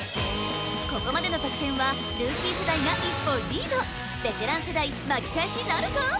ここまでの得点はルーキー世代が一歩リードベテラン世代巻き返しなるか？